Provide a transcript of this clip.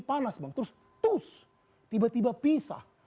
panas bang terus terus tiba tiba pisah